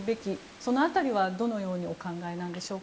その辺りはどのようにお考えでしょうか？